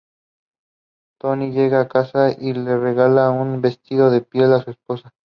Tony llega a casa y le regala un vestido de piel a su esposa.